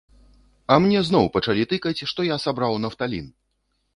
А мне зноў пачалі тыкаць, што я сабраў нафталін!